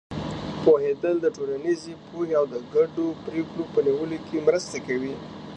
پوهېدل د ټولنیزې پوهې او د ګډو پرېکړو په نیولو کې مرسته کوي.